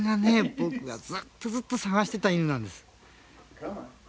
僕がずっとずっと探してた犬なんですよ。